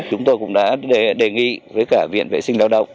chúng tôi cũng đã đề nghị với cả viện vệ sinh lao động